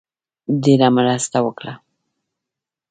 ډېره مرسته وکړه.